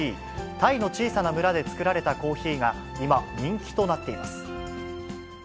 タイの小さな村で作られたコーヒーが、今、人気となっています。